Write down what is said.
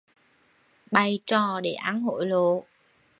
Bày trò để ăn hối lộ